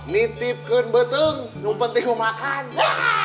mitipkan beteng yang penting makan